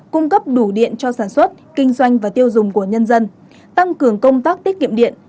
cung cấp đủ điện cho sản xuất kinh doanh và tiêu dùng của nhân dân tăng cường công tác tiết kiệm điện